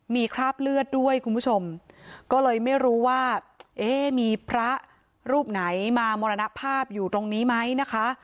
มีคราบเลือดด้วยคุณผู้ชมก็เลยไม่รู้ว่าเอ๊ะมีพระรูปไหนมามรณภาพอยู่ตรงนี้ไหมนะคะ